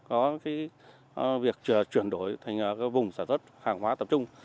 có việc chuyển đổi thành vùng sản xuất hàng hóa tập trung